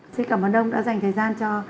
xin cảm ơn ông đã dành thời gian cho